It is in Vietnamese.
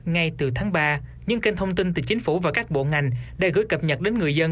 ngay từ tháng ba những kênh thông tin từ chính phủ và các bộ ngành đã gửi cập nhật đến người dân